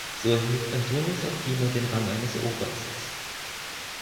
So erhielt Antonius auf Timor den Rang eines Obersts.